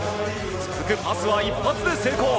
続くパスは一発で成功！